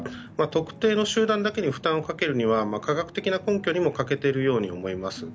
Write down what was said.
特定の集団だけに負担をかけるには科学的根拠にも欠けているように思えます。